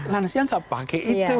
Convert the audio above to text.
lansia gak pakai itu